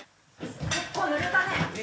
結構ぬれたね。